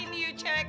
sampai jumpa lagi